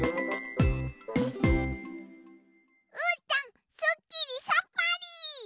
うーたんすっきりさっぱり！